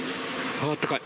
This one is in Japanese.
あったかい！